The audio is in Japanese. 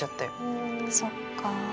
そっか。